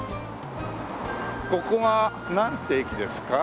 ここがなんて駅ですか？